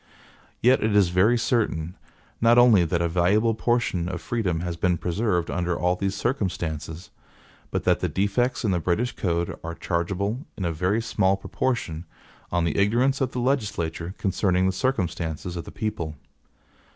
Yet it is very certain, not only that a valuable portion of freedom has been preserved under all these circumstances, but that the defects in the British code are chargeable, in a very small proportion, on the ignorance of the legislature concerning the circumstances of the people.